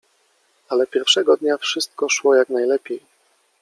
Ale pierwszego dnia wszystko szło jak najlepiej.